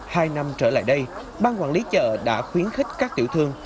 hai năm trở lại đây ban quản lý chợ đã khuyến khích các tiểu thương